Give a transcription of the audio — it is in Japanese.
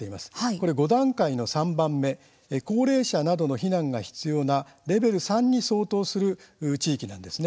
これは５段階の３番目高齢者など避難が必要なレベル３に相当する地域なんです。